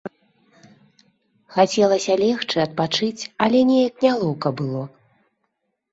Хацелася легчы, адпачыць, але неяк нялоўка было.